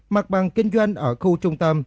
mặt bằng kinh doanh ở khu trung tâm